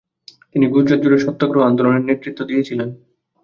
তিনি গুজরাত জুড়ে সত্যগ্রহ আন্দোলনের নেতৃত্ব দিয়েছিলেন।